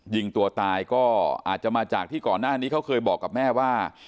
ยิงตัวตายก็อาจจะมาจากที่ก่อนหน้านี้เขาเคยบอกกับแม่ว่า